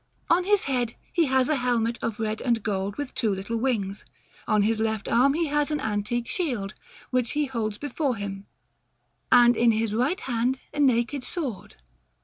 On his head he has a helmet of red and gold, with two little wings; on his left arm he has an antique shield, which he holds before him, and in his right hand a naked sword.